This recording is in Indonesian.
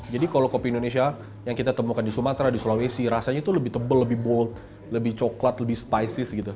jadi kalau kopi indonesia yang kita temukan di sumatera di sulawesi rasanya itu lebih tebal lebih bold lebih coklat lebih spices gitu